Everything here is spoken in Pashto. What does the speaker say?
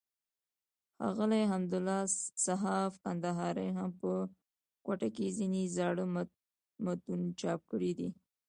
ښاغلي حمدالله صحاف کندهاري هم په کوټه کښي ځينې زاړه متون چاپ کړي دي.